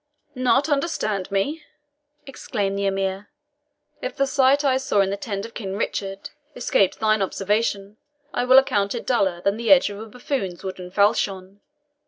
"Not understand me!" exclaimed the Emir. "If the sight I saw in the tent of King Richard escaped thine observation, I will account it duller than the edge of a buffoon's wooden falchion.